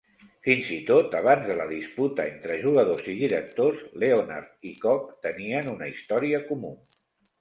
Fins i tot abans de la disputa entre jugadors i directors, Leonard i Cobb tenien una història comú.